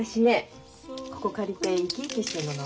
ここ借りて生き生きしてるのが分かるの。